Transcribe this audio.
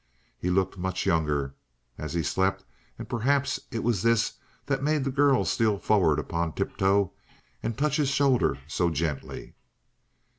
He looked much younger, as he slept, and perhaps it was this that made the girl steal forward upon tiptoe and touch his shoulder so gently.